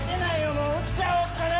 もう撃っちゃおうかな！